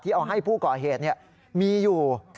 เอาให้ผู้ก่อเหตุมีอยู่